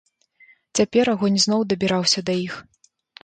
Цяпер агонь зноў дабіраўся да іх.